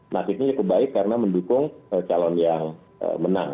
nasibnya cukup baik karena mendukung calon yang menang